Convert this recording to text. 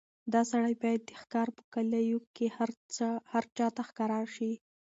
دا سړی باید د ښکار په کالیو کې هر چا ته ښکاره شي.